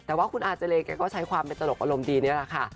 แต่ว่าคุณอาเจเลแกก็ใช้ความเป็นตลกอารมณ์ดีนี่แหละค่ะ